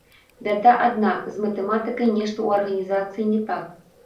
Бяда адна, з матэматыкай нешта ў арганізацыі не так.